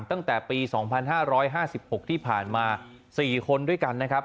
ตั้งแต่ปี๒๕๕๖ที่ผ่านมา๔คนด้วยกันนะครับ